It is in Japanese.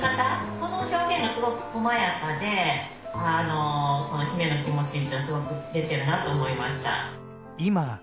この表現がすごくこまやかでその姫の気持ちってすごく出てるなと思いました。